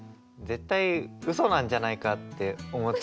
絶対うそなんじゃないかって思っちゃいます。